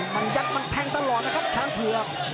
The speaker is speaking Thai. มันยัดมันแทงตลอดนะครับช้างเผือก